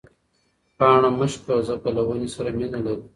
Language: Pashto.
پاڼه مه شکوئ ځکه له ونې سره مینه لري.